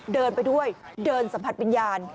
เดินไปด้วยเดินสัมผัสวิญญาณ